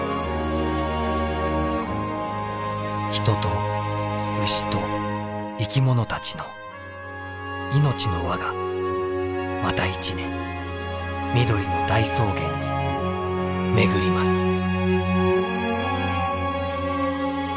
人と牛と生き物たちの命の輪がまた一年緑の大草原に巡ります。